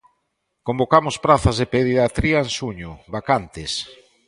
Convocamos prazas de Pediatría en xuño, vacantes.